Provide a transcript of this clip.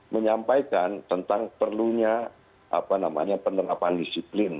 menyampaikan tentang perlunya apa namanya penerbangan disiplin